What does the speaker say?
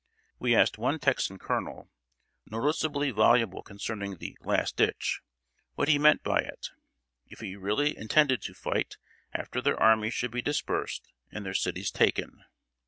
We asked one Texan colonel, noticeably voluble concerning the "last ditch," what he meant by it if he really intended to fight after their armies should be dispersed and their cities taken.